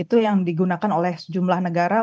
itu yang digunakan oleh sejumlah negara